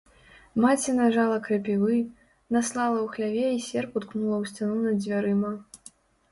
Маці нажала крапівы, наслала ў хляве і серп уткнула ў сцяну над дзвярыма.